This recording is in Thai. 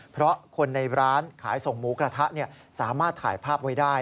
เพราะคนในร้านขายส่งหมูกระทะสามารถถ่ายภาพไว้ได้